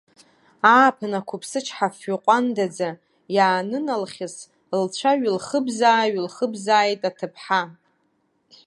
Ааԥын ақәыԥсычҳа-фҩы ҟәандаӡа иааныналхьыс, лцәа ҩылхыбзаа-ҩылхыбзааит аҭыԥҳа.